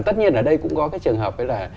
tất nhiên ở đây cũng có cái trường hợp là